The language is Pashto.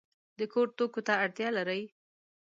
د کور توکو ته اړتیا لرئ؟